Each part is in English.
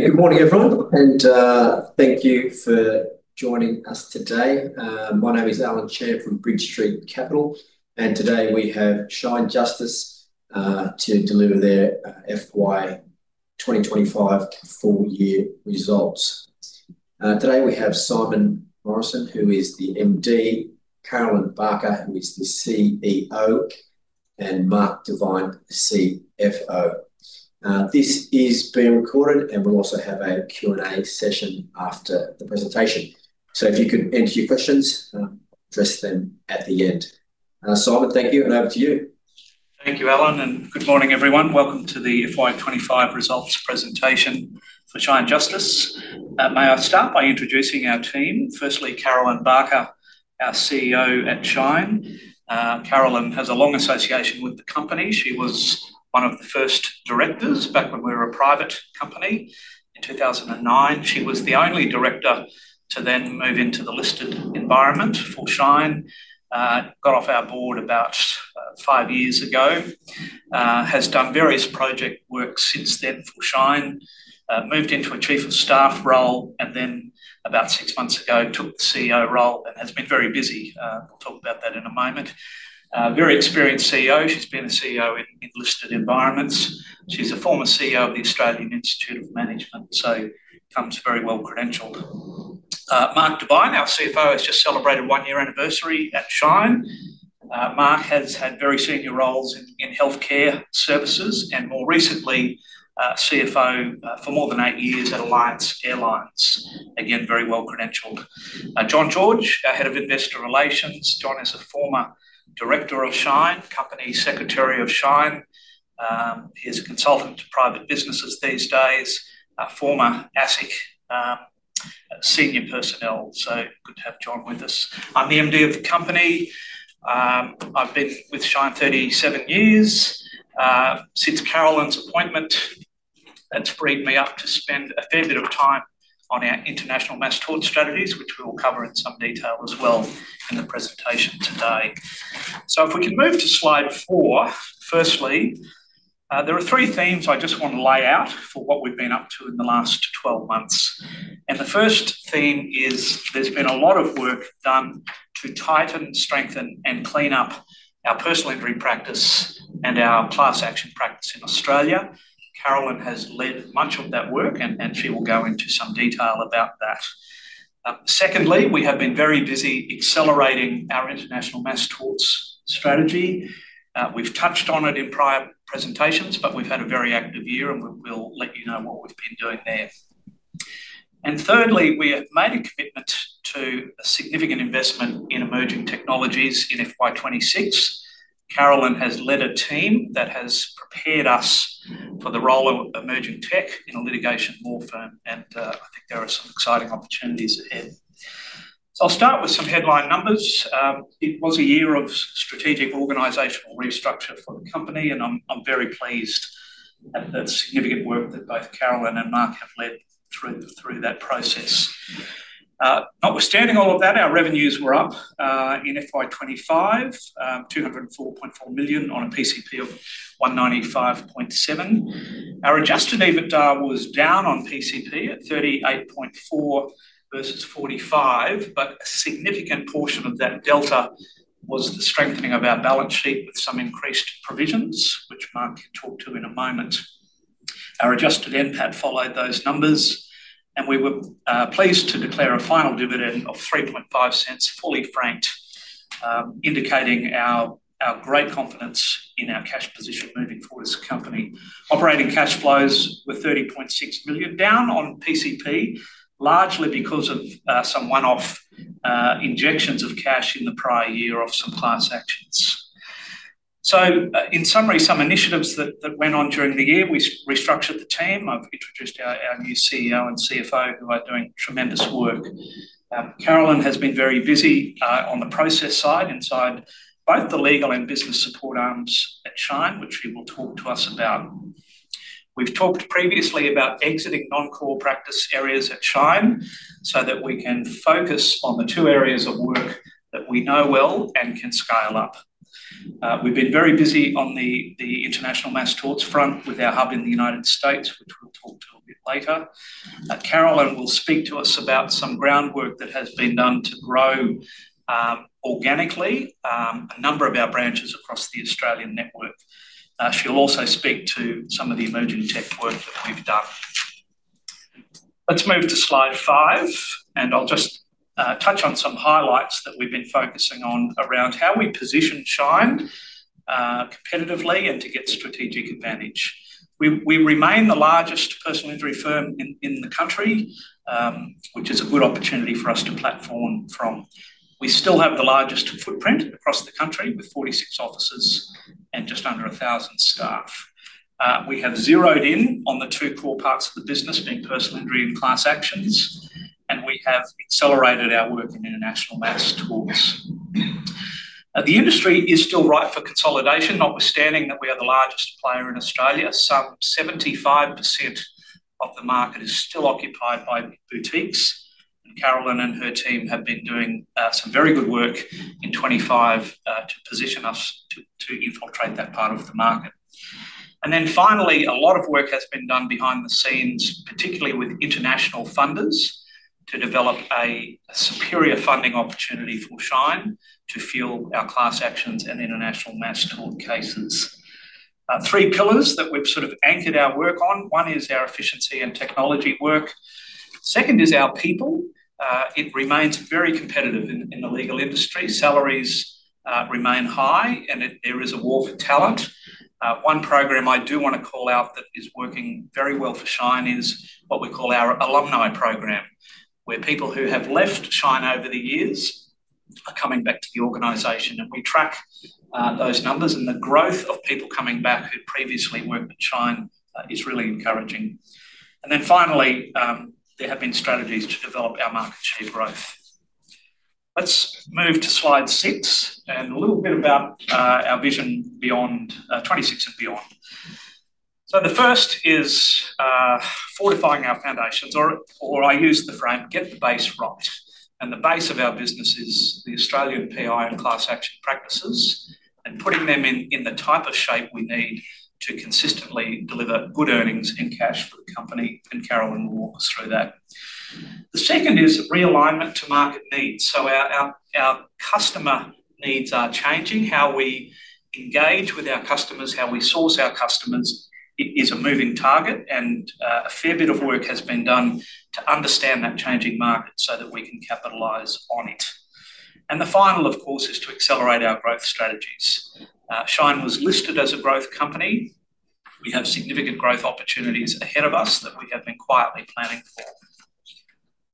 Good morning, everyone, and thank you for joining us today. My name is Alan Chen from Bridge Street Capital, and today we have Shine Justice to deliver their FY 2025 full-year results. Today we have Simon Morrison, who is the Managing Director, Carolyn Barker, who is the CEO, and Marc Devine, CFO. This is being recorded, and we'll also have a Q&A session after the presentation. If you can enter your questions, address them at the end. Simon, thank you, and over to you. Thank you, Alan, and good morning, everyone. Welcome to the FY 2025 Results presentation for Shine Justice. May I start by introducing our team? Firstly, Carolyn Barker, our CEO at Shine. Carolyn has a long association with the company. She was one of the first directors back when we were a private company in 2009. She was the only director to then move into the listed environment for Shine. She got off our board about five years ago and has done various project work since then for Shine. She moved into a Chief of Staff role and then, about six months ago, took the CEO role and has been very busy. We'll talk about that in a moment. Very experienced CEO. She's been a CEO in listed environments. She's a former CEO of the Australian Institute of Management, so comes very well credentialed. Marc Devine, our CFO, has just celebrated one-year anniversary at Shine. Marc has had very senior roles in healthcare services and, more recently, CFO for more than eight years at Alliance Airlines. Again, very well credentialed. John George, our Head of Investor Relations, is a former director of Shine, Company Secretary of Shine. He's a consultant to private businesses these days, a former ASIC senior personnel. Good to have John with us. I'm the MD of the company. I've been with Shine 37 years. Since Carolyn's appointment, it's freed me up to spend a fair bit of time on our international mass torts strategies, which we will cover in some detail as well in the presentation today. If we can move to slide four, firstly, there are three themes I just want to lay out for what we've been up to in the last 12 months. The first theme is there's been a lot of work done to tighten, strengthen, and clean up our personal injury practice and our class actions practice in Australia. Carolyn has led much of that work, and she will go into some detail about that. Secondly, we have been very busy accelerating our international mass torts strategy. We've touched on it in prior presentations, but we've had a very active year, and we'll let you know what we've been doing there. Thirdly, we have made a commitment to a significant investment in emerging technologies in FY 2026. Carolyn has led a team that has prepared us for the role of emerging tech in a litigation law firm, and I think there are some exciting opportunities ahead. I'll start with some headline numbers. It was a year of strategic organizational restructure for the company, and I'm very pleased. It's significant work that both Carolyn and Marc have led through that process. Notwithstanding all of that, our revenues were up in FY 2025, $204.4 million on a PCP of $195.7 million. Our adjusted EBITDA was down on PCP at $38.4 million versus $45 million, but a significant portion of that delta was the strengthening of our balance sheet with some increased provisions, which Marc can talk to in a moment. Our adjusted NPAT followed those numbers, and we were pleased to declare a final dividend of $0.035, fully franked, indicating our great confidence in our cash position moving forward as a company. Operating cash flows were $30.6 million down on PCP, largely because of some one-off injections of cash in the prior year of some class actions. In summary, some initiatives that went on during the year. We restructured the team. I've introduced our new CEO and CFO, who are doing tremendous work. Carolyn has been very busy on the process side inside both the legal and business support arms at Shine, which she will talk to us about. We've talked previously about exiting non-core practice areas at Shine so that we can focus on the two areas of work that we know well and can scale up. We've been very busy on the international mass torts front with our hub in the United States, which we'll talk to a bit later. Carolyn will speak to us about some groundwork that has been done to grow organically a number of our branches across the Australian network. She'll also speak to some of the emerging tech work that we've done. Let's move to slide five, and I'll just touch on some highlights that we've been focusing on around how we positioned Shine competitively and to get strategic advantage. We remain the largest personal injury firm in the country, which is a good opportunity for us to platform from. We still have the largest footprint across the country with 46 offices and just under 1,000 staff. We have zeroed in on the two core parts of the business being personal injury and class actions, and we have accelerated our work in international mass torts. The industry is still ripe for consolidation, notwithstanding that we are the largest player in Australia. Some 75% of the market is still occupied by boutiques. Carolyn and her team have been doing some very good work in 2025 to position us to infiltrate that part of the market. Finally, a lot of work has been done behind the scenes, particularly with international funders, to develop a superior funding opportunity for Shine to fuel our class actions and international mass tort cases. Three pillars that we've sort of anchored our work on. One is our efficiency and technology work. The second is our people. It remains very competitive in the legal industry. Salaries remain high, and there is a war for talent. One program I do want to call out that is working very well for Shine is what we call our Alumni Program, where people who have left Shine over the years are coming back to the organization. We track those numbers, and the growth of people coming back who previously worked at Shine is really encouraging. There have been strategies to develop our market share growth. Let's move to slide six and a little bit about our vision beyond 2026 and beyond. The first is fortifying our foundations, or I use the frame, get the base right. The base of our business is the Australian PI and class action practices and putting them in the type of shape we need to consistently deliver good earnings in cash for the company, and Carolyn will walk us through that. The second is realignment to market needs. Our customer needs are changing. How we engage with our customers, how we source our customers, it is a moving target, and a fair bit of work has been done to understand that changing market so that we can capitalize on it. The final, of course, is to accelerate our growth strategies. Shine was listed as a growth company. We have significant growth opportunities ahead of us that we have been quietly planning for.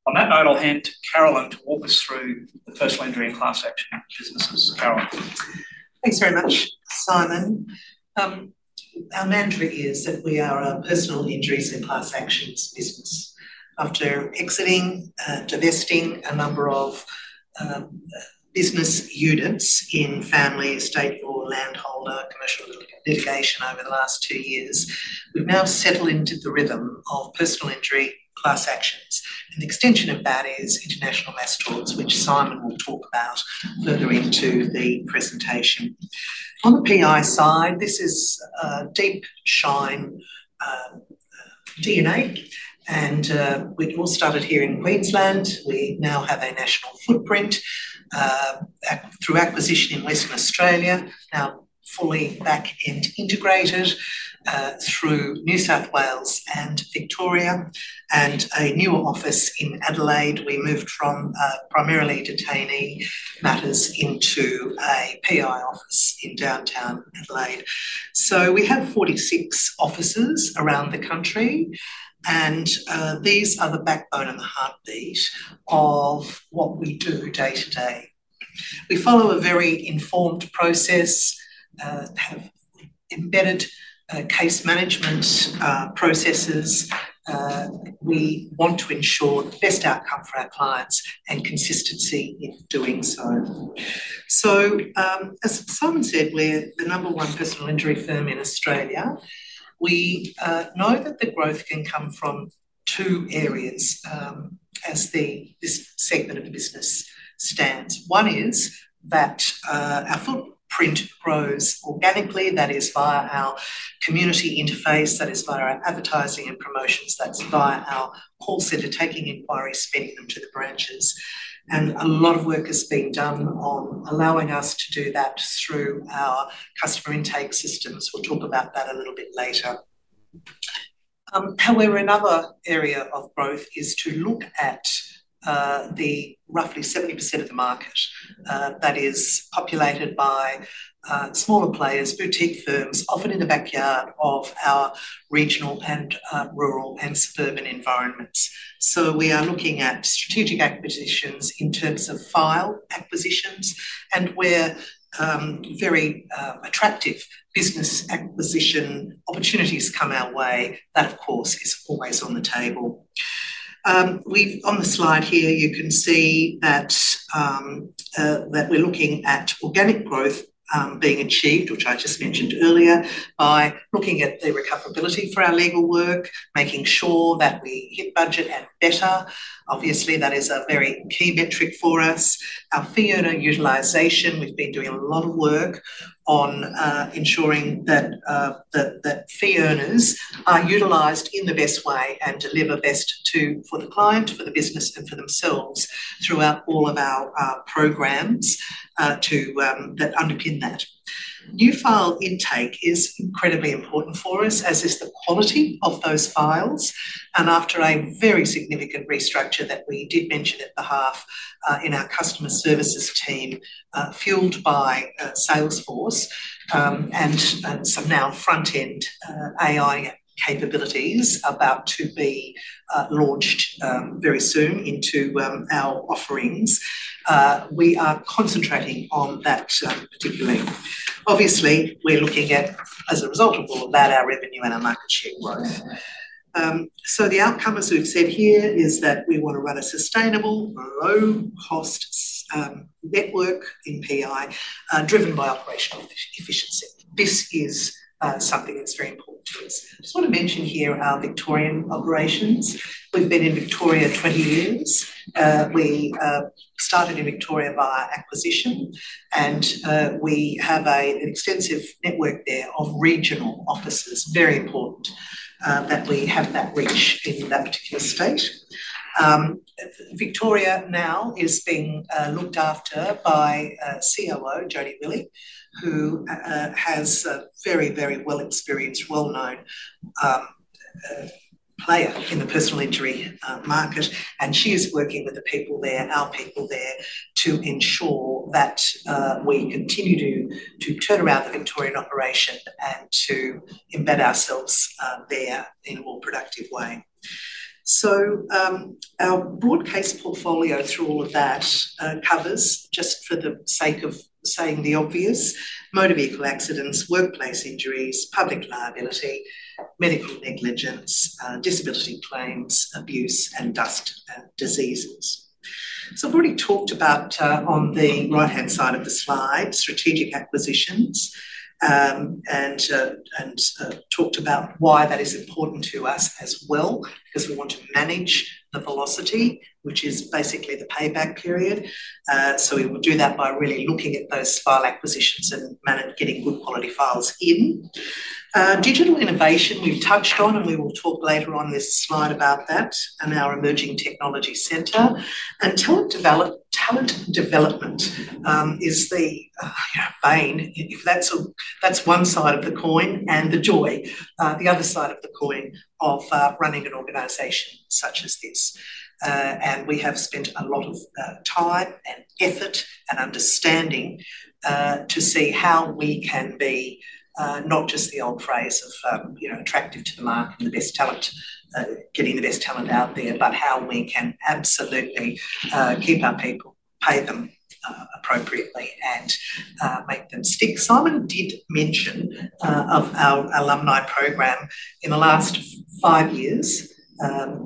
On that note, I'll hand Carolyn to walk us through personal injury and class action businesses. Thanks very much, Simon. Our mantra is that we are a personal injury and class actions business. After exiting, divesting a number of business units in family, estate law, landholder, commercial litigation over the last two years, we've now settled into the rhythm of personal injury class actions. The extension of that is international mass torts, which Simon talked about further into the presentation. On the PI side, this is a deep Shine DNA. We've all started here in Queensland. We now have a national footprint through acquisition in Western Australia, now fully back into integrated through New South Wales and Victoria, and a new office in Adelaide. We moved from primarily detainee matters into a PI office in downtown Adelaide. We have 46 offices around the country, and these are the backbone and the heartbeat of what we do day to day. We follow a very informed process, have embedded case management processes. We want to ensure the best outcome for our clients and consistency doing so. As Simon said, we're the number one personal injury firm in Australia. We know that the growth can come from two areas, as the segment of the business stands. One is that our footprint grows organically. That is via our community interface, via our advertising and promotions, via our call center taking inquiries, sending them to the branches. A lot of work is being done on allowing us to do that through our customer intake systems. We'll talk about that a little bit later. However, another area of growth is to look at the roughly 70% of the market that is populated by smaller players, boutique firms, often in the backyard of our regional and rural and suburban environments. We are looking at strategic acquisitions in terms of file acquisitions, and where very attractive business acquisition opportunities come our way, that, of course, is always on the table. On the slide here, you can see that we're looking at organic growth being achieved, which I just mentioned earlier, by looking at the recoverability for our legal work, making sure that we hit budget and better. Obviously, that is a very key metric for us. Our fee earner utilization, we've been doing a lot of work on ensuring that fee earners are utilized in the best way and deliver best for the client, for the business, and for themselves throughout all of our programs that underpin that. New file intake is incredibly important for us, as is the quality of those files. After a very significant restructure that we did mention at the half in our customer services team, fueled by Salesforce and some now front-end AI capabilities about to be launched very soon into our offerings, we are concentrating on that particularly. Obviously, we're looking at, as a result of that, our revenue and our market share growth. The outcome, as we've said here, is that we want to run a sustainable, low-cost network in PI driven by operational efficiency. This is something that's very important to us. I just want to mention here our Victorian operations. We've been in Victoria 20 years. We started in Victoria via acquisition, and we have an extensive network there of regional offices. Very important that we have that reach in that particular state. Victoria now is being looked after by COO Jodi Willie, who is a very, very well-experienced, well-known player in the personal injury market. She is working with our people there to ensure that we continue to turn around the Victorian operation and to embed ourselves there in a more productive way. Our broad case portfolio through all of that covers, just for the sake of saying the obvious, motor vehicle accidents, workplace injuries, public liability, medical negligence, disability claims, abuse, and dust and diseases. I've already talked about, on the right-hand side of the slide, strategic acquisitions and talked about why that is important to us as well, because we want to manage the velocity, which is basically the payback period. We will do that by really looking at those file acquisitions and getting good quality files in. Digital innovation, we've touched on, and we will talk later on this slide about that, and our emerging technology center. Talent development is the bane if that's one side of the coin and the joy, the other side of the coin of running an organization such as this. We have spent a lot of time and effort and understanding to see how we can be not just the old phrase of attractive to the market, the best talent, getting the best talent out there, but how we can absolutely keep our people, pay them appropriately, and make them stick. Simon did mention of our Alumni Program in the last five years,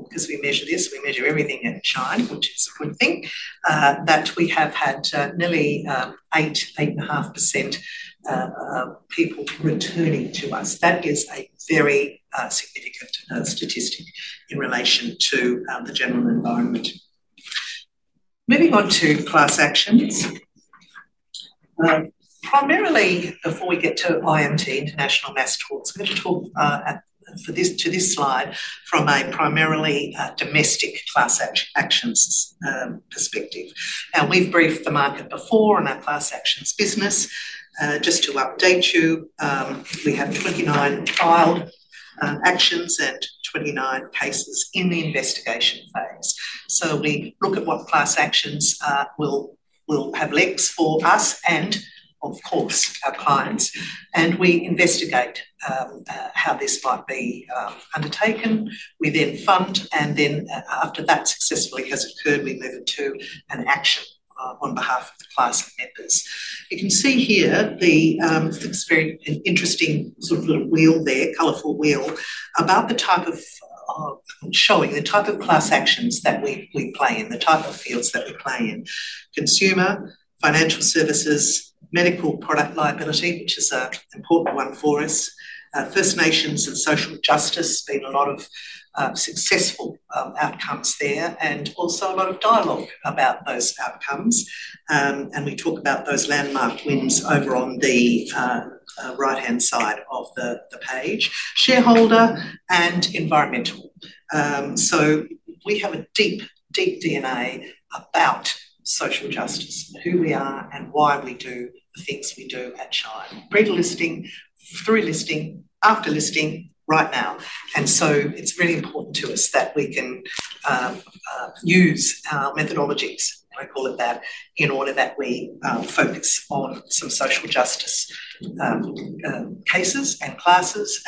because we measure this, we measure everything at Shine, which is a good thing, that we have had nearly 8%, 8.5% people returning to us. That is a very significant statistic in relation to the general environment. Moving on to class actions, primarily before we get to IMT, International Mass Torts, we're going to talk to this slide from a primarily domestic class actions perspective. Now, we've briefed the market before on our class actions business. Just to update you, we had 29 filed actions and 29 cases in the investigation phase. We look at what class actions will have links for us and, of course, our clients. We investigate how this might be undertaken. We then fund, and then after that successfully has occurred, we move it to an action on behalf of the class members. You can see here it's an interesting sort of wheel there, colorful wheel, about the type of showing the type of class actions that we play in, the type of fields that we play in: consumer, financial services, medical product liability, which is an important one for us. First Nations and social justice, there's been a lot of successful outcomes there, and also a lot of dialogue about those outcomes. We talk about those landmark wins over on the right-hand side of the page. Shareholder and environmental. We have a deep, deep DNA about social justice, who we are, and why we do the things we do at Shine. Pre-listing, through listing, after listing, right now. It is very important to us that we can use our methodologies, I call it that, in order that we focus on some social justice cases and classes.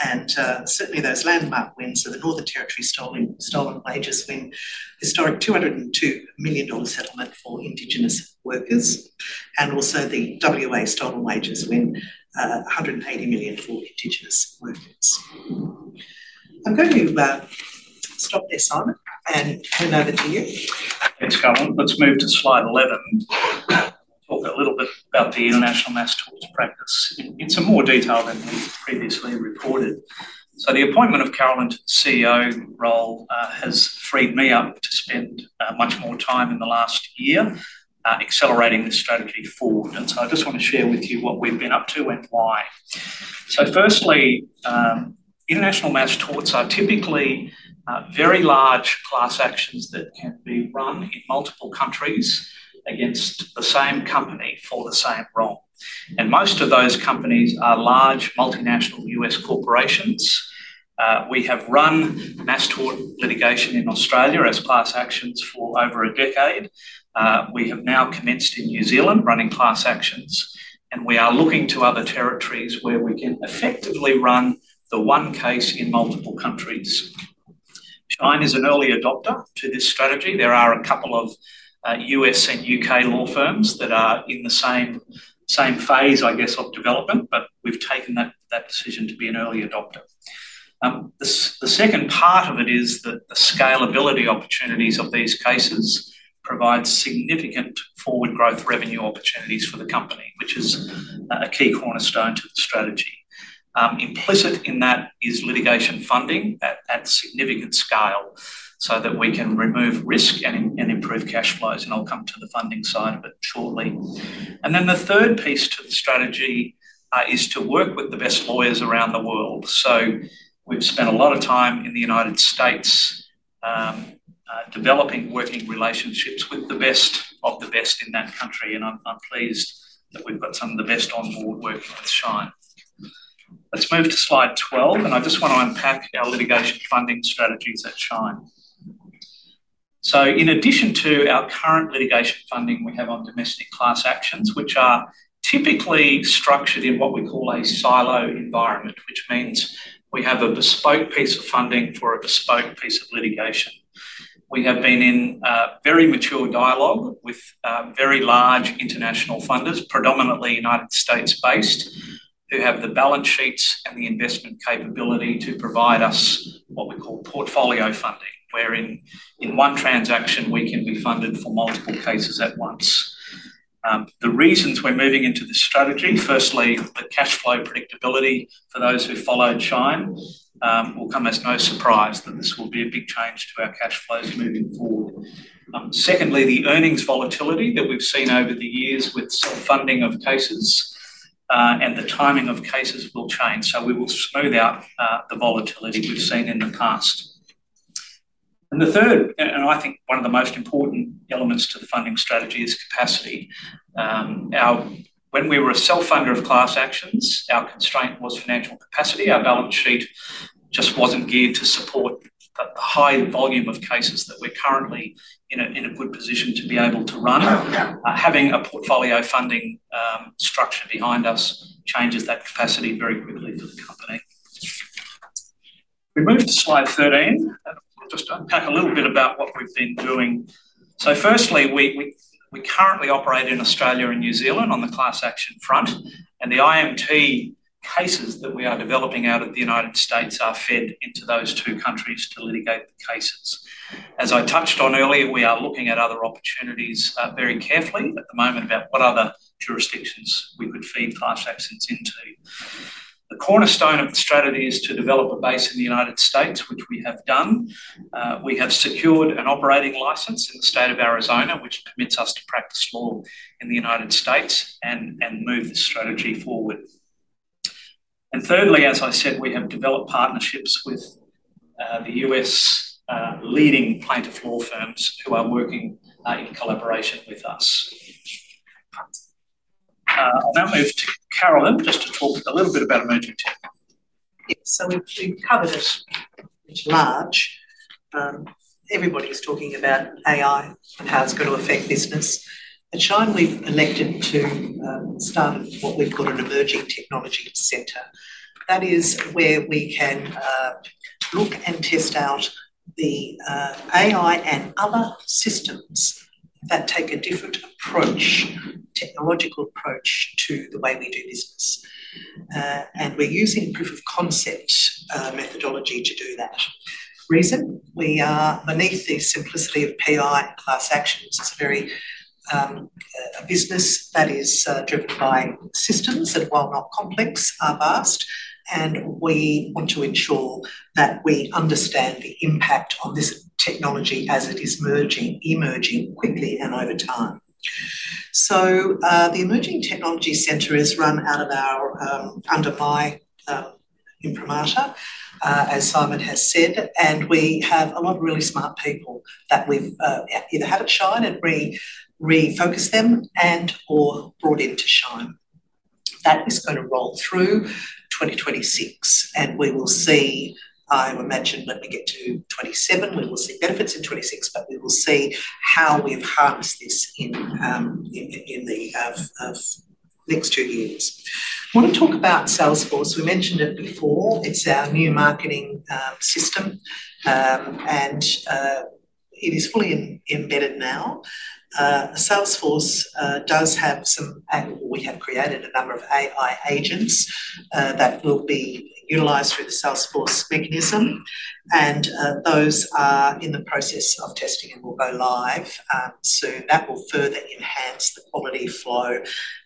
Certainly, those landmark wins, so the Northern Territory Stolen Wages win, a historic $202 million settlement for Indigenous workers, and also the Western Australia Stolen Wages win, $180 million for Indigenous workers. I'm going to stop there, Simon, and turn over to you. Thanks, Carolyn. Let's move to slide 11. Talk a little bit about the international mass torts practice. It's in more detail than we've previously recorded. The appointment of Carolyn to the CEO role has freed me up to spend much more time in the last year accelerating the strategy forward. I just want to share with you what we've been up to and why. Firstly, international mass torts are typically very large class actions that run in multiple countries against the same company for the same role. Most of those companies are large multinational U.S. corporations. We have run mass tort litigation in Australia as class actions for over a decade. We have now commenced in New Zealand running class actions. We are looking to other territories where we can effectively run the one case in multiple countries. Shine is an early adopter to this strategy. There are a couple of U.S. and U.K. law firms that are in the same phase, I guess, of development, but we've taken that decision to be an early adopter. The second part of it is that the scalability opportunities of these cases provide significant forward growth revenue opportunities for the company, which is a key cornerstone strategy. Implicit in that is litigation funding at significant scale so that we can remove risk and improve cash flows, and I'll come to the funding side of it shortly. The third piece to the strategy is to work with the best lawyers around the world. We've spent a lot of time in the United States developing working relationships with the best of the best in that country, and I'm pleased that we've got some of the best on board working with Shine. Let's move to slide 12, and I just want to unpack our litigation funding strategies at Shine. In addition to our current litigation funding, we have our domestic class actions, which are typically structured in what we call a siloed environment, which means we have a bespoke piece of funding for a bespoke piece of litigation. We have been in very mature dialogue with very large international funders, predominantly United States-based, who have the balance sheets and the investment capability to provide us what we call portfolio funding, wherein in one transaction we can be funded for multiple cases at once. The reasons we're moving into the strategy, firstly, the cash flow predictability for those who followed Shine, will come as no surprise that this will be a big change to our cash flows moving forward. Secondly, the earnings volatility that we've seen over the years with some funding of cases and the timing of cases will change. We will smooth out the volatility we've seen in the past. The third, and I think one of the most important elements to the funding strategy, is capacity. When we were a sole funder of class actions, our constraint was financial capacity. Our balance sheet just wasn't geared to support the high volume of cases that we're currently in a good position to be able to run. Having a portfolio funding structure behind us changes that capacity very quickly for the company. We move to slide 13. I'll just unpack a little bit about what we've been doing. Firstly, we currently operate in Australia and New Zealand on the class action front, and the IMT cases that we are developing out of the United States are fed to those two countries to litigate the cases. As I touched on earlier, we are looking at other opportunities very carefully at the moment about what other jurisdictions we could feed class actions into. The cornerstone of the strategy is to develop a base in the United States, which we have done. We have secured an operating license in the State of Arizona, which permits us to practice law in the United States and move the strategy forward. Thirdly, as I said, we have developed partnerships with the U.S. leading plaintiff law firms who are working in collaboration with us. Now I'll move to Carolyn just to talk a little bit about emerging tech. We've covered it large. Everybody is talking about AI and how it's going to affect business. At Shine, we've elected to start what we've called an emerging technology center. That is where we can look and test out the AI and other systems that take a different approach, a technological approach to the way we do business. We're using proof of concept methodology to do that. The reason, we are beneath the simplicity of PI class actions. It's a business that is driven by systems that are rather complex, are vast, and we want to ensure that we understand the impact of this technology as it is emerging and over time. The emerging technology center is run out of our, under my informato, as Simon has said, and we have a lot of really smart people that we've either had at Shine and refocused them and/or brought into Shine. That is going to roll through 2026, and we will see, I imagine, when we get to 2027, we will see benefits in 2026, but we will see how we've harnessed this in the next two years. I want to talk about Salesforce. We mentioned it before. It's our new marketing system, and it is fully embedded now. Salesforce does have some, and we have created a number of AI agents that will be utilized through the Salesforce mechanism, and those are in the process of testing and will go live soon. That will further enhance the quality flow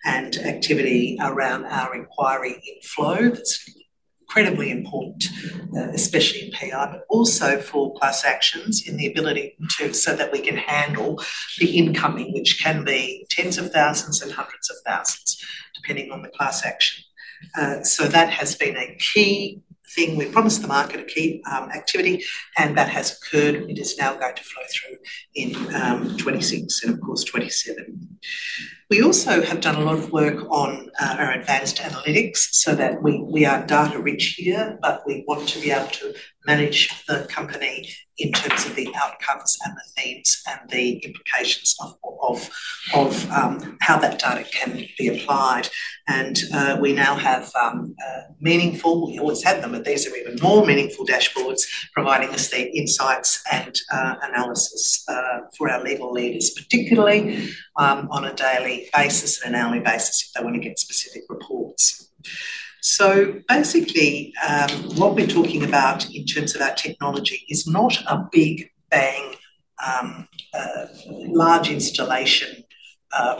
and activity around our inquiry flow. That's incredibly important, especially in PI, but also for class actions in the ability to so that we can handle the incoming, which can be tens of thousands and hundreds of thousands, depending on the class action. That has been a key thing. We promised the market a key activity, and that has occurred. It's now going to flow through in 2026 and, of course, 2027. We also have done a lot of work on our advanced analytics so that we are data-rich here, but we want to be able to manage the company in terms of the outcomes and the needs and the implications of how that data can be applied. We now have meaningful, we've always had them, but these are even more meaningful dashboards providing us the insights and analysis for our legal leaders, particularly on a daily basis and an hourly basis if they want to get specific reports. Basically, what we're talking about in terms of that technology is not a big bang, large installation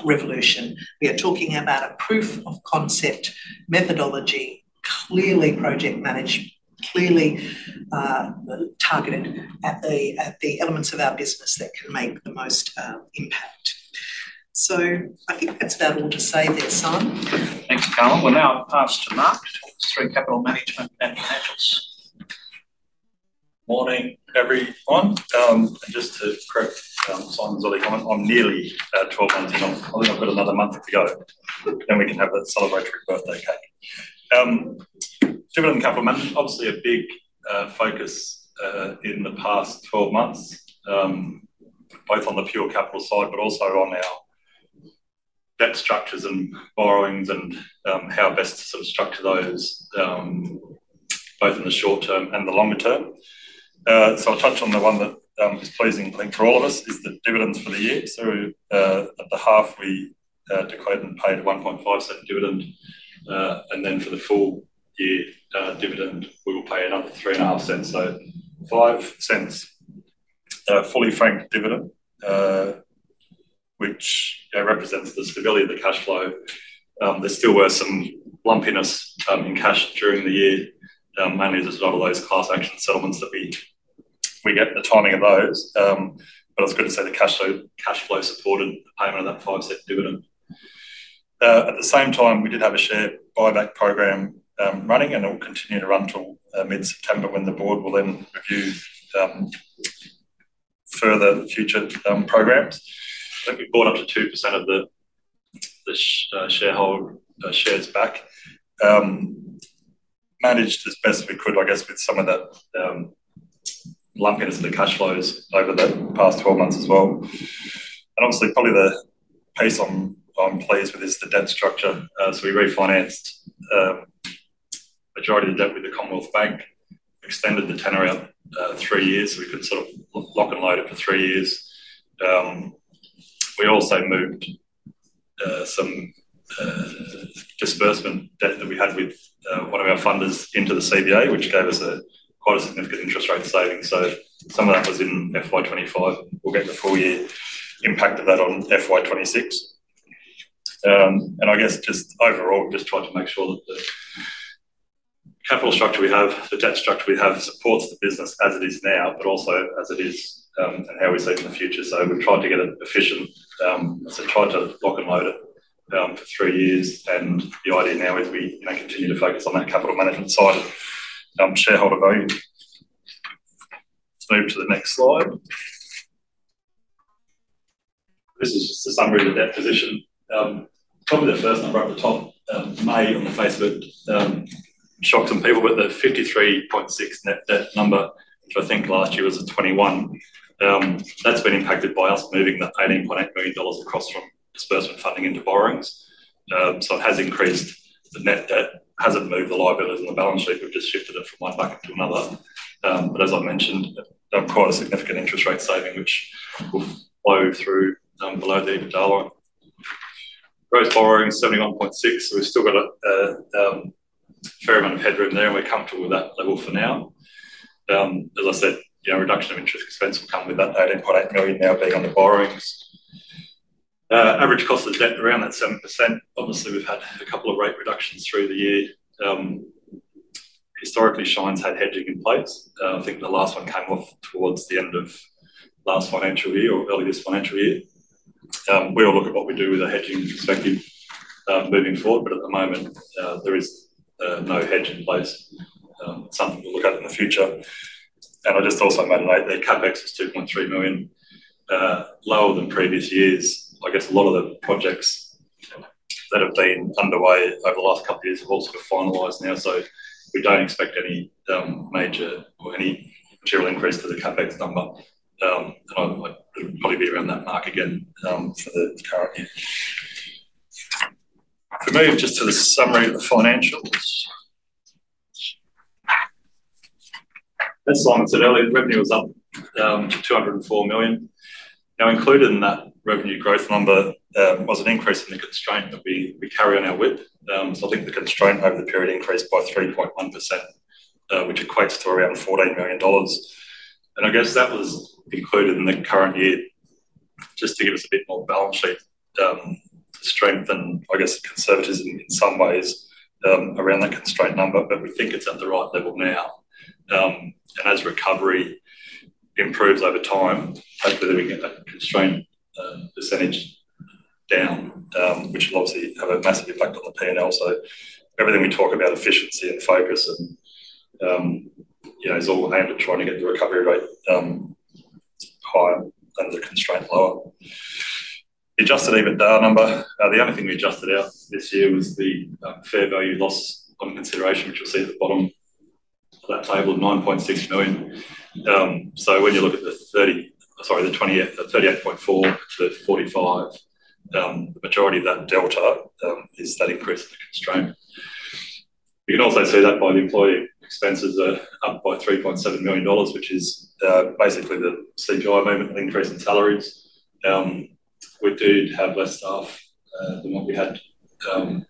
revolution. We are talking about a proof of concept methodology, clearly project managed, clearly targeted at the elements of our business that can make the most impact. That's about all to say there, Simon. Thanks, Carolyn. We'll now pass to Marc for capital management and financials. Morning, everyone. I just said Chris signed the body on nearly 12 months ago. I think I'll do it another month to go, and we can have a celebratory birthday card. Driven capital management, obviously a big focus in the past 12 months, both on the pure capital side, but also on our debt structures and borrowings and how best to sort of structure those, both in the short term and the longer term. I'll touch on the one that is pleasing, I think, for all of us, is the dividends for the year. At the half, we declared and paid a $0.015 dividend, and then for the full year dividend, we will pay another $0.035, so $0.05. Fully franked dividend, which represents the stability of the cash flow. There still were some lumpiness in cash during the year, mainly just a lot of those class action settlements that we get the timing of those, but it's good to say the cash flow supported the payment of that $0.05 dividend. At the same time, we did have a share buyback program running, and it will continue to run until mid-September when the board will then review further the future programs. I think we bought up to 2% of the shareholder shares back. Managed as best we could, I guess, with some of that lumpiness of the cash flows over the past 12 months as well. Obviously, probably the piece on players with this is the debt structure. We refinanced the majority of the debt with the Commonwealth Bank, extended the tenure out three years so we could sort of lock and load it for three years. We also moved some disbursement debt that we had with one of our funders into the CDA, which gave us a quite significant interest rate savings. Someone that comes in FY 2025 will get the full year impact of that on FY 2026. I guess just overall, we've just tried to make sure that the capital structure we have, the debt structure we have, supports the business as it is now, but also as it is, how we see it in the future. We've tried to get an efficient, so tried to lock and load it for three years, and the idea now is we continue to focus on that capital management side and shareholder value. Move to the next slide. This is just a summary of that position. Some of the first ones right at the top, may on the face of it, shock some people with the $53.6 million net debt number. I think last year was a $21 million. That's been impacted by us moving the $18.8 million across from disbursement funding into borrowings. It has increased. The net debt hasn't moved the liabilities on the balance sheet. We've just shifted it from one bucket to another. Quite a significant interest rate saving, which will flow through below the dollar. Gross borrowing is $71.6 million, so we've still got a fair amount of headroom there, and we're comfortable with that level for now. The reduction of interest expense will come with that $18.8 million now being under borrowings. Average cost of debt around that 7%. Obviously, we've had a couple of rate reductions through the year. Historically, Shine's had hedging in place. I think the last one came off towards the end of last financial year or early this financial year. We'll look at what we do with a hedging perspective moving forward, but at the moment, there is no hedge in place. Something we'll look at in the future. I also made a note that CapEx is $2.3 million, lower than previous years. A lot of the projects that have been underway over the last couple of years have also finalized now, so we don't expect any major or any material increase for the CapEx number. It'll probably be around that mark again for the current year. We move just to the summary of the financials. As Simon said earlier, the revenue was up to $204 million. Included in that revenue growth number was an increase in the constraint that we carry on our WIP. The constraint over the period increased by 3.1%, which equates to around $14 million. That was included in the current year just to give us a bit more balance sheet strength and, in some ways, conservatism around that constraint number, but we think it's at the right level now. As recovery improves over time, hopefully, we get that constraint percentage down, which will obviously have a massive impact on the P&L. Everything we talk about, efficiency and focus, is all aimed at trying to get the recovery rate high and the constraint lower. We adjusted even down a number. The other thing we adjusted out this year was the fair value loss on consideration, which you'll see at the bottom of that table, $9.6 million. When you look at the 28.4 to the 45, the majority of that delta is that increase in constraint. You can also see that the employee expenses are up by $3.7 million, which is basically the CPI moment, an increase in salaries. We do have less staff than what we had the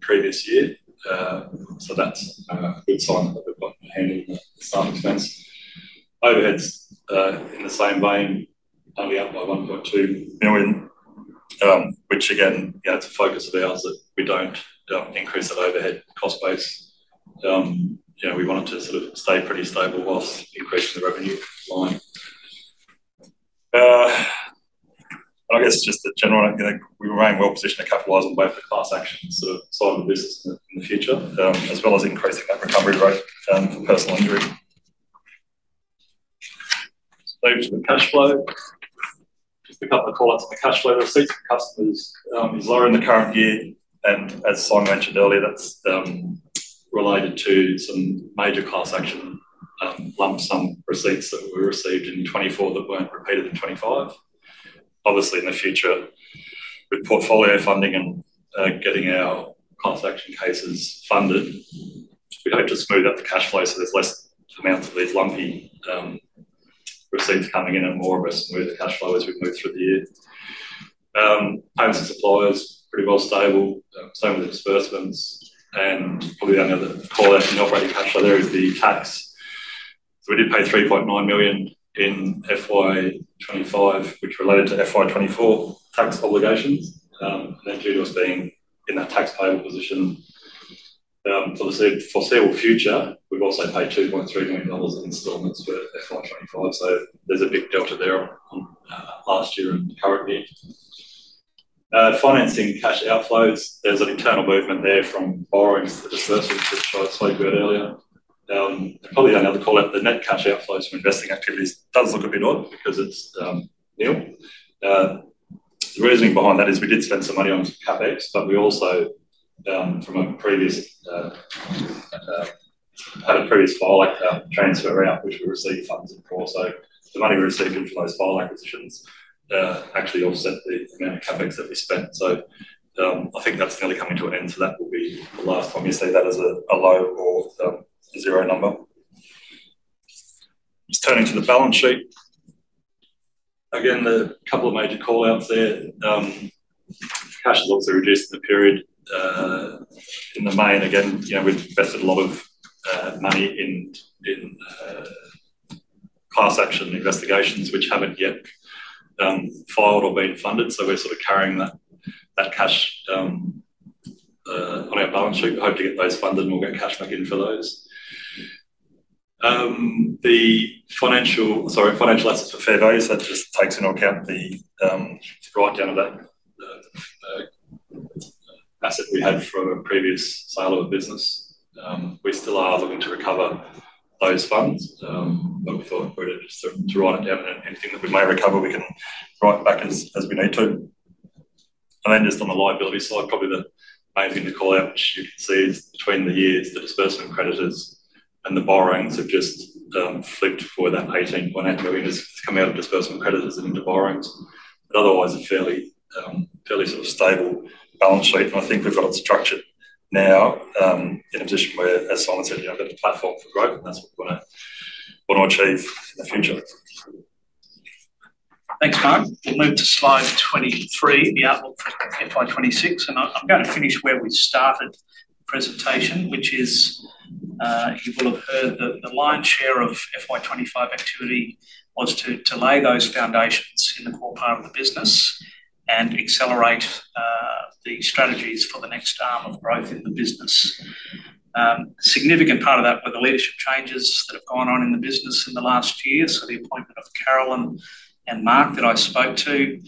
previous year. That's on the starting space. Overheads, in the same vein, I'll be out by $1.2 million, which again, you know, it's a focus of ours that we don't increase that overhead cost base. You know, we want to sort of stay pretty stable whilst increasing the revenue line. I guess just a general note, we remain well positioned a couple of ways on both the class action sort of side of the business in the future, as well as increase that recovery rate per laundry. Cash flow, just a couple of calls on cash flow receipts. Customers lower in the current year, and as Simon mentioned earlier, that's related to some major class action lump sum receipts that we received in 2024 that weren't repeated in 2025. Obviously, in the future, with portfolio funding and getting our class action cases funded, we don't have to smooth out the cash flow so there's less amounts of these lumpy receipts coming in and more of us move the cash flow as we move through the year. Homes and suppliers, pretty well stable. Same with the disbursements. Probably the only other caller in the operating cash flow there is the tax. We did pay $3.9 million in FY 2025, which related to FY 2024 tax obligation. That's due to us being in that tax payable position. To save for the foreseeable future, we've also paid $2.3 million in installments for FY 2025. There's a big delta there on the last year and current year. Financing and cash outflows, there's an internal movement there from borrowings, the disbursements, as I told you earlier. Probably the only other call out, the net cash outflows from investing activities does look a bit odd because it's new. The reasoning behind that is we did spend some money on CapEx, but we also, from a previous, had a previous file transfer out, which we received funds for. The money received into those file acquisitions actually offset the CapEx that we spent. I think that's nearly coming to an end, so that will be the last time you see that as a low or a zero number. Just turning to the balance sheet. Again, a couple of major call outs there. Cash has obviously reduced in the period. In the main, again, you know we've invested a lot of money in class action investigations, which haven't yet filed or been funded. We're sort of carrying that cash on our balance sheet. Hope to get those funded, and we'll get cash back in for those. The financial, sorry, financial assets for fair values, that just takes into account the write down of that. We had from a previous siloed business. We still are looking to recover those funds. We thought we'd just write it down, and anything that we may recover, we can write back as we need to. On the liability side, probably the main thing to call out, which you can see, is between the years, the disbursement creditors and the borrowings, it just flipped for that $18.8 million has come out of disbursement creditors into borrowings. Otherwise, a fairly sort of stable balance sheet. I think we've got it structured now, in addition to where, as Simon said, you have that platform for growth, and that's what we want to achieve in the future. Thanks, Carm. Move to slide 23, the article FY 2026. I'm going to finish where we started the presentation, which is, you will have heard that the lion's share of FY 2025 activity was to lay those foundations in the core part of the business and accelerate the strategies for the next arm of growth in the business. A significant part of that were the leadership changes that have gone on in the business in the last year. The Carolyn and Marc that I spoke to,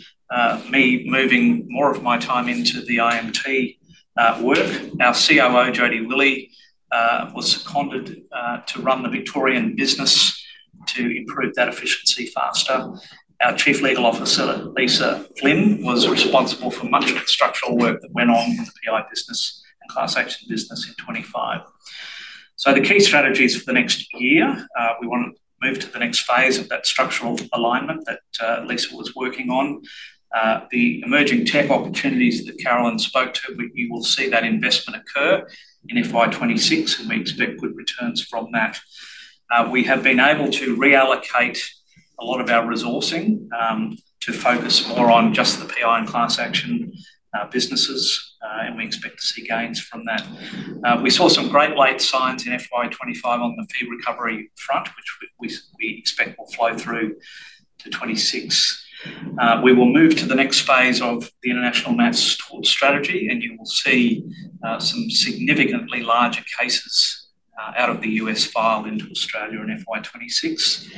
me moving more of my time into the IMT work. Our COO, Jodi Willie, was seconded to run the Victorian business to improve that efficiency faster. Our Chief Legal Officer, Lisa Flynn, was responsible for much of the structural work that went on in the PI business and class action business in 2025. The key strategies for the next year, we want to move to the next phase of that structural alignment that Lisa was working on. The emerging tech opportunities that Carolyn spoke to, we will see that investment occur in FY 2026, and we expect good returns from that. We have been able to reallocate a lot of our resourcing to focus more on just the PI and class action businesses, and we expect to see gains from that. We saw some great weight signs in FY 2025 on the fee recovery front, which we expect will flow through to 2026. We will move to the next phase of the international mass torts strategy, and you will see some significantly larger cases out of the U.S. file into Australia in FY 2026.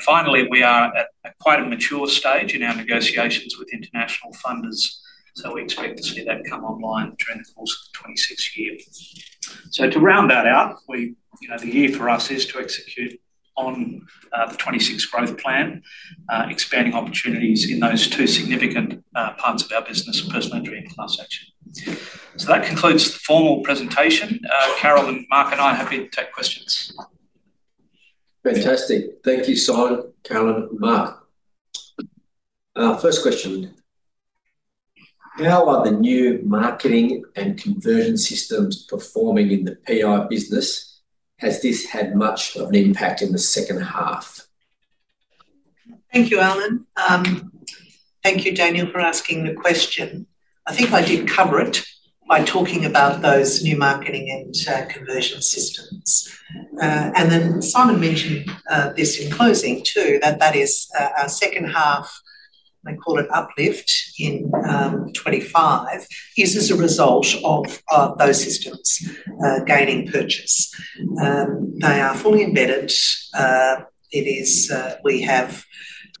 Finally, we are quite a mature stage in our negotiations with international funders, so we're expecting to see that come online for the 2026 year. To round that out, the year for us is to execute on the 2026 growth plan, expanding opportunities in those two significant parts of our business, the personal injury and class action. That concludes the formal presentation. Carolyn, Marc, and I happy to take questions. Fantastic. Thank you, Simon, Carolyn, and Marc. First question. How are the new marketing and conversion systems performing in the PI business? Has this had much of an impact in the second half? Thank you, Alan. Thank you, Daniel, for asking the question. I think I did cover it by talking about those new marketing and conversion systems. Simon mentioned this in closing too, that that is our second half, I call it uplift in 2025. Is this a result of those systems gaining purchase? They are fully embedded.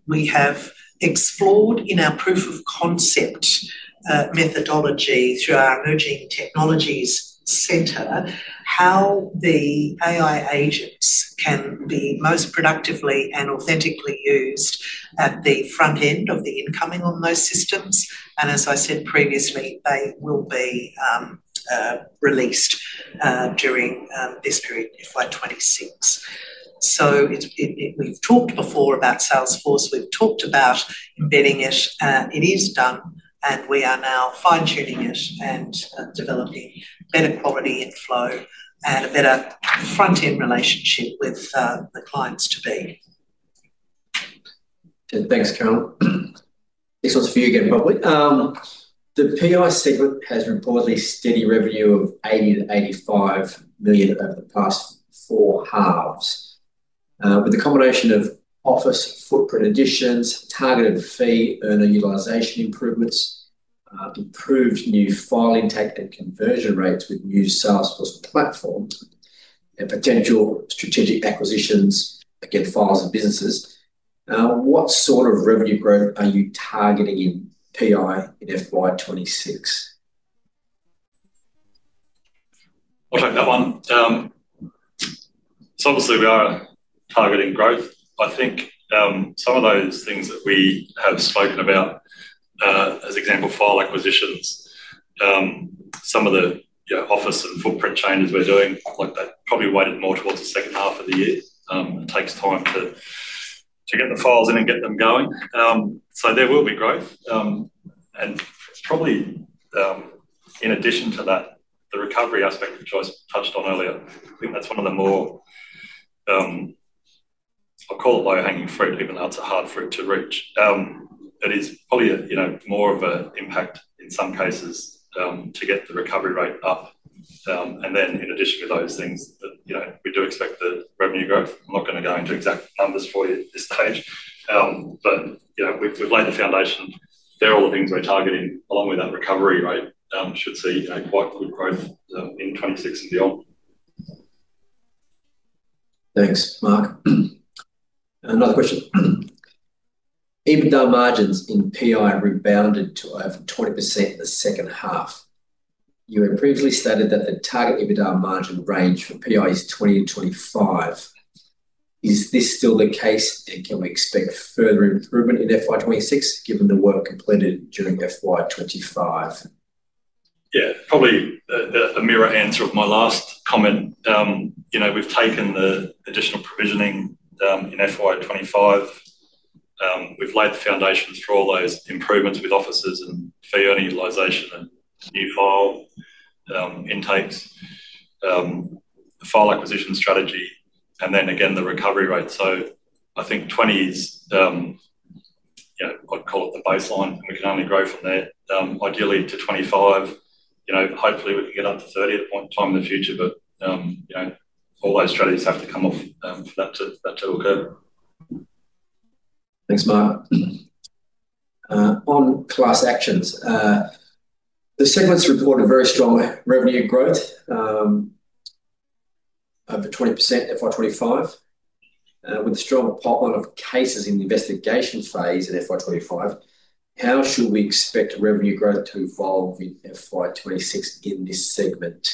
We have explored in our proof of concept methodology through our emerging technologies center how the AI agents can be most productively and authentically used at the front end of the incoming on those systems. As I said previously, they will be released during this period, FY 2026. We've talked before about Salesforce. We've talked about embedding it. It is done, and we are now fine-tuning it and developing better quality inflow and a better front-end relationship with clients to be. Thanks, Carolyn. This one's for you again, Marc. The PI segment has reportedly steady revenue of $80 million-$85 million over the past four halves. With a combination of office footprint additions, targeted fee earner utilization improvements, improved new filing tech and conversion rates with new Salesforce platforms, and potential strategic acquisitions against files and businesses, what sort of revenue growth are you targeting in PI in FY 2026? I'll take that one. Obviously, we are targeting growth. I think some of those things that we have spoken about, as example, file acquisitions, some of the office and footprint changes we're doing, that is probably weighted more towards the second half of the year. It takes time to get the files in and get them going. There will be growth. Probably in addition to that, the recovery aspect of choice touched on earlier, I think that's one of the more, I'll call it low-hanging fruit, even though it's a hard fruit to reach. It is probably more of an impact in some cases to get the recovery rate up. In addition to those things, you know we do expect the revenue growth. I'm not going to go into exact numbers for you at this stage. You know we've laid the foundation. They're all the things we're targeting. Along with that recovery rate, we should see quite a lot of growth in 2026 and beyond. Thanks, Marc. Another question. EBITDA margins in PI rebounded to over 20% in the second half. You had previously stated that the target EBITDA margin range for PI is 20% and 25%. Is this still the case? Can we expect further improvement in FY 2026 given the work completed during FY 2025? Yeah, probably a mirror answer of my last comment. You know we've taken the additional provisioning in FY 2025. We've laid the foundations for all those improvements with offices and fee earner utilization and new file intakes, the file acquisition strategy, and the recovery rate. I think 20%s, I'd call it the baseline. We can only grow from there, ideally to 25%. Hopefully, we can get up to 30% at one time in the future, but all those strategies have to come off for that to occur. Thanks, Marc. On class actions, the segment reports very strong revenue growth, over 20% in FY 2025, with a strong pipeline of cases in the investigation phase in FY 2025. How should we expect revenue growth to evolve in FY 2026 in this segment?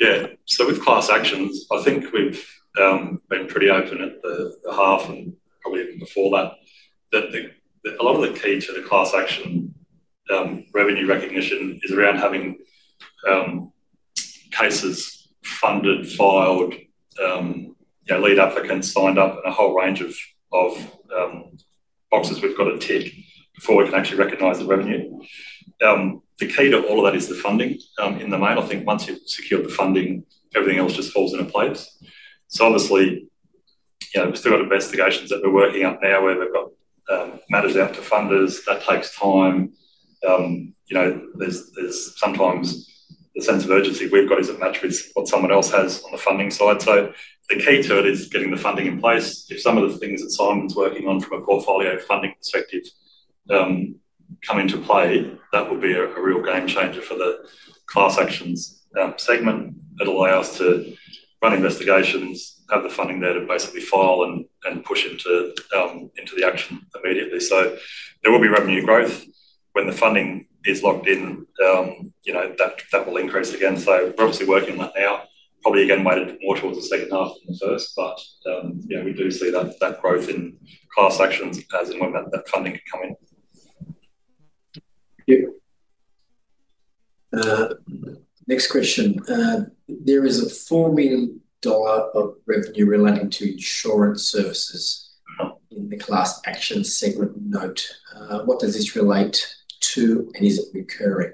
Yeah, so with class actions, I think we've been pretty open at the half and I believe it before that. A lot of the key to the class action revenue recognition is around having cases funded, filed, lead applicants signed up, and a whole range of boxes we've got to tick before we can actually recognize the revenue. The key to all of that is the funding. In the main, I think once you've secured the funding, everything else just falls into place. Obviously, you know we've still got investigations that we're working out now where they've got matters out to funders. That takes time. Sometimes the sense of urgency we've got is it matters what someone else has on the funding side. The key to it is getting the funding in place. If some of the things that Simon's working on from a portfolio funding perspective come into play, that will be a real game changer for the class actions segment. It'll allow us to run investigations, have the funding there to basically file and push into the action immediately. There will be revenue growth when the funding is locked in. That will increase again. We're obviously working on that now, probably again weighted more towards the second half than the first, but we do see that growth in class actions as and when that funding can come up. Next question. There is a $4 million of revenue related to insurance services in the class actions segment note. What does this relate to, and is it recurring?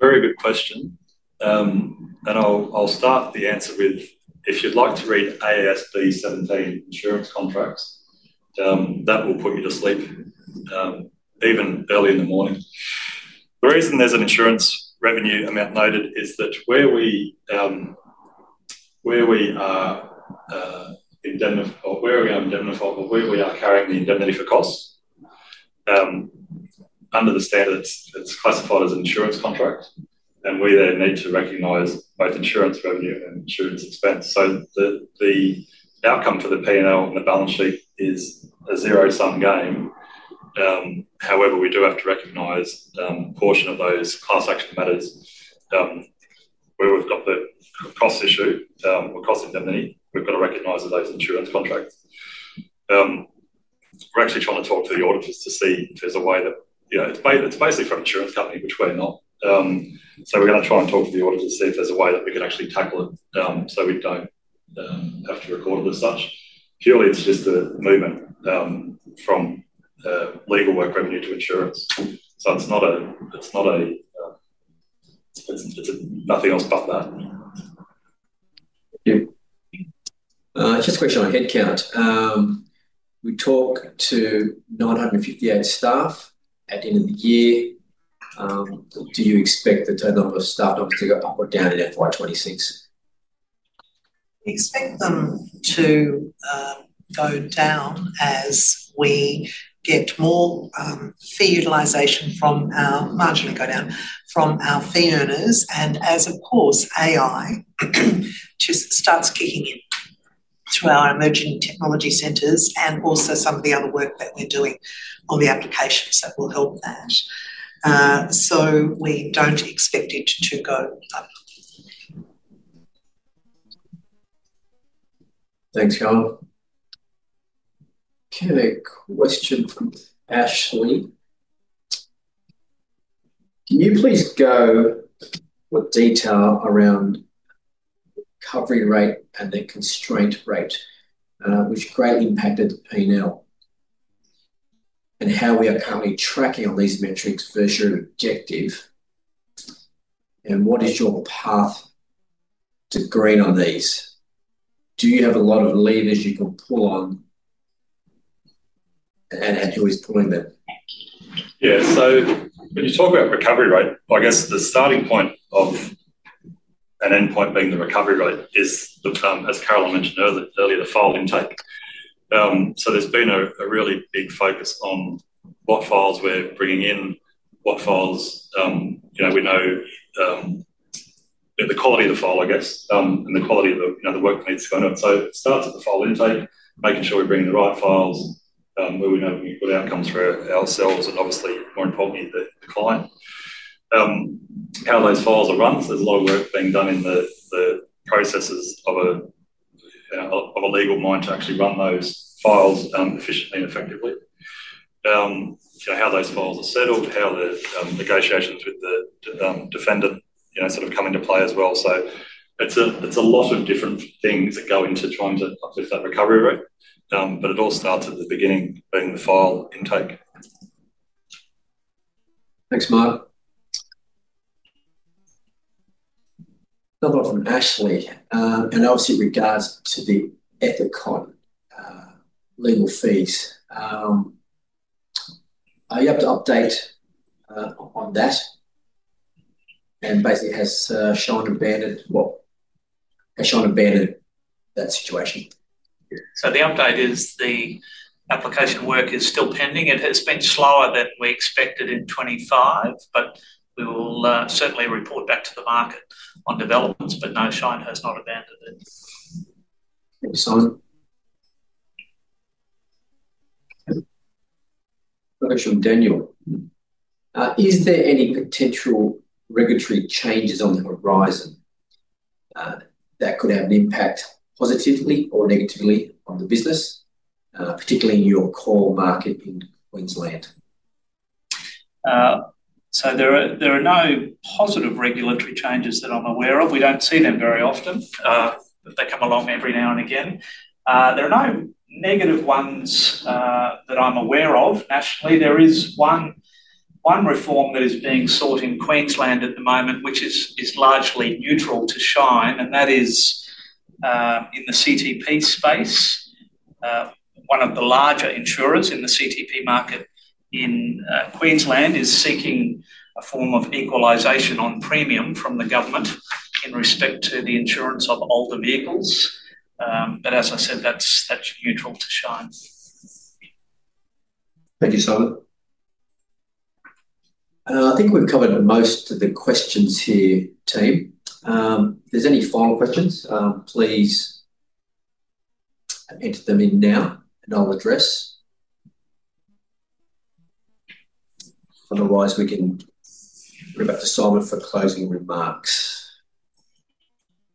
Very good question. I'll start the answer with, if you'd like to read AASB 730 insurance contracts, that will put you to sleep even early in the morning. The reason there's an insurance revenue amount noted is that where we are indemnified, but we are carrying the indemnity for costs. Under the standards, it's classified as an insurance contract, and we then need to recognize both insurance revenue and insurance expense. The outcome for the P&L on the balance sheet is a zero-sum game. However, we do have to recognize a portion of those class action matters where we've got the cost issue. We're cost indemnity. We've got to recognize those insurance contracts. We're actually trying to talk to the auditors to see if there's a way that it's basically from an insurance company, which we're not. We're going to try and talk to the auditors to see if there's a way that we can actually tackle it so we don't have to record it as such. Purely, it's just a movement from legal work revenue to insurance. It's nothing else but that. Just a question on headcount. We talked to 958 staff at the end of the year. Do you expect the total number of staff members to go up or down in FY 2026? To go down as we get more fee utilization from our margin to go down from our fee earners, and as, of course, AI just starts kicking in to our emerging technology centers and also some of the other work that we're doing on the applications that will help that. We don't expect it to go up. Thanks, Carolyn. Can I make a question for Ashley? Can you please go with detail around the recovery rate and the constraint rate, which greatly impacted P&L, and how we are currently tracking on these metrics versus your objective? What is your path to green on these? Do you have a lot of levers you can pull on and who is pulling them? Yeah. When you talk about recovery rate, I guess the starting point and endpoint being the recovery rate is looked on, as Carolyn mentioned earlier, the file intake. There's been a really big focus on what files we're bringing in, what files you know we know the quality of the file, I guess, and the quality of the work needs to go on it. It starts at the file intake, making sure we're bringing the right files where we know what outcomes for ourselves and obviously, more importantly, the client. How those files are run. There's a lot of work being done in the processes of a legal mind to actually run those files efficiently and effectively. How those files are settled, how the negotiations with the defendant sort of come into play as well. It's a lot of different things that go into trying to uplift that recovery rate, but it all starts at the beginning, bringing the file intake. Thanks, Marc. Another one, Ashley, obviously in regards to the Eficon legal fees. Are you able to update on that? Basically, has Shine abandoned that situation? The update is the application work is still pending. It has been slower than we expected in 2025, but we will certainly report back to the market on developments. No, Shine has not abandoned it. Excellent. Question from Daniel. Is there any potential regulatory changes on the horizon that could have an impact positively or negatively on the business, particularly in your core market in Queensland? There are no positive regulatory changes that I'm aware of. We don't see them very often, but they come along every now and again. There are no negative ones that I'm aware of. Actually, there is one reform that is being sought in Queensland at the moment, which is largely neutral to Shine, and that is in the CTP space. One of the larger insurers in the CTP market in Queensland is seeking a form of equalization on premium from the government in respect to the insurance of older vehicles. As I said, that's neutral to Shine. Thank you, Simon. I think we've covered most of the questions here, team. If there's any final questions, please enter them in now, and I'll address them. Otherwise, we can move up to Simon for closing remarks.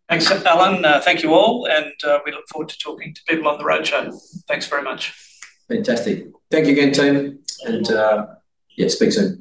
Thanks, Alan. Thank you all, and we look forward to talking to people on the roadshow. Thanks very much. Fantastic. Thank you again, team. Yeah, speak soon.